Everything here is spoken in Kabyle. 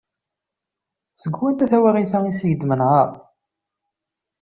Seg wanta tawaɣit-a iseg d-tmenɛem?